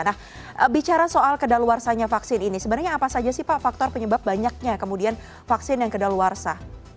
nah bicara soal kedaluarsanya vaksin ini sebenarnya apa saja sih pak faktor penyebab banyaknya kemudian vaksin yang kedaluarsa